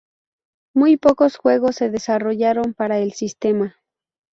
Muy pocos juegos se desarrollaron para el sistema.